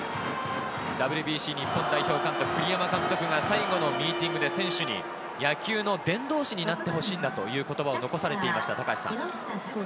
ＷＢＣ日本代表監督・栗山監督が最後のミーティングで選手に野球の伝道師になってほしいんだという言葉を残されていましたね、高橋さん。